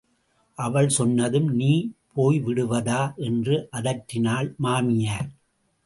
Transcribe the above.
அவள் சொன்னதும் நீ போய்விடுவதா என்று அதட்டினாள் மாமியார்.